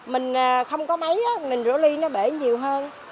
mình không có mấy mình rửa ly nó bể nhiều hơn